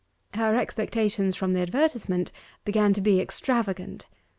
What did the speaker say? Her expectations from the advertisement began to be extravagant.